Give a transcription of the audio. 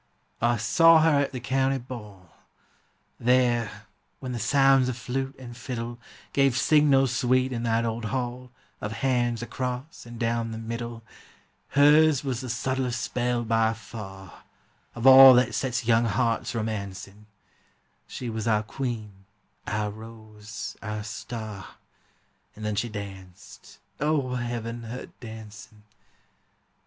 I saw her at the county ball; There, when the sounds of flute and fiddle Gave signal sweet in that old hall Of hands across and down the middle, Hers was the subtlest spell by far Of all that sets young hearts romancing: She was our queen, our rose, our star; And then she danced, O Heaven! her dancing.